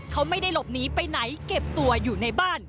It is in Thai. เขาไม่ได้หลบหนีไปไหนเก็บตัวอยู่ในบ้าน